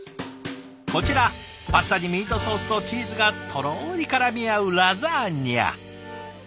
こちらパスタにミートソースとチーズがとろりからみ合うラザニア。